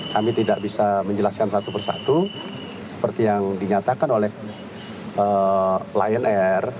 kami tidak bisa menjelaskan satu persatu seperti yang dinyatakan oleh lion air